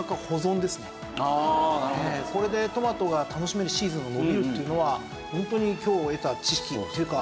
これでトマトが楽しめるシーズンが延びるっていうのはホントに今日得た知識っていうか。